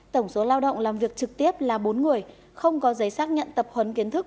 tổng số lao động làm việc trực tiếp là bốn người không có giấy xác nhận tập huấn kiến thức